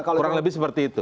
kurang lebih seperti itu